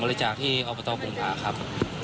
ไม่เสร็จการการห่วงครับ